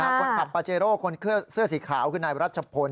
คนขับปาเจโร่คนเสื้อสีขาวคือนายรัชพล